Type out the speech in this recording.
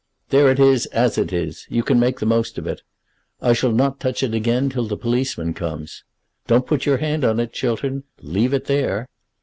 "There it is, as it is. You can make the most of it. I shall not touch it again till the policeman comes. Don't put your hand on it, Chiltern. Leave it there."